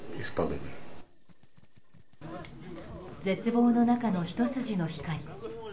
絶望の中のひと筋の光。